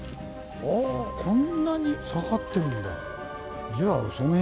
こんなに下がってるんだ。